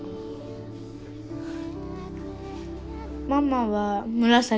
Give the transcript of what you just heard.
ママは紫。